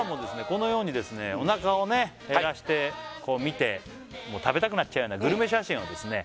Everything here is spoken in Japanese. このようにお腹を減らして見て食べたくなっちゃうようなグルメ写真をですね